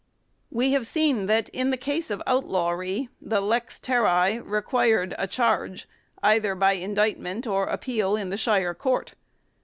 We have seen that, in the case of outlawry, the "lex terrae" required a charge either 'by indictment or appeal in the shire court.